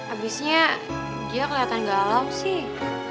abisnya dia kelihatan galau sih